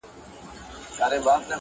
• نور یې کښېښودل په منځ کي کبابونه-